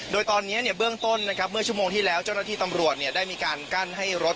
โดยตอนนี้เบื้องต้นนะครับเมื่อชั่วโมงที่แล้วเจ้าหน้าที่ตำรวจได้มีการกั้นให้รถ